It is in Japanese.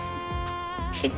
はい。